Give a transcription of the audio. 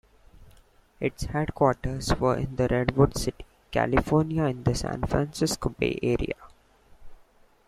Its headquarters were in Redwood City, California in the San Francisco Bay Area.